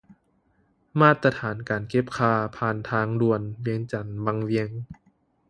ມາດຕະຖານການເກັບຄ່າຜ່ານທາງດ່ວນວຽງຈັນວັງວຽງ